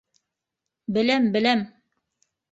Беләм, беләм...